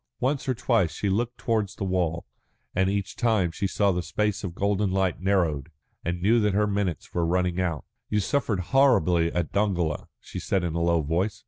Once or twice she looked towards the wall, and each time she saw the space of golden light narrowed, and knew that her minutes were running out. "You suffered horribly at Dongola," she said in a low voice.